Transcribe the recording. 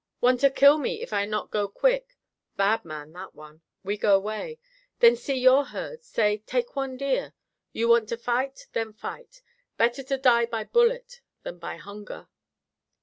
Want'a kill me if I not go quick. Bad man, that one. We go way. Then see your herd. Say, take one deer. You want to fight, then fight. Better to die by bullet than by hunger."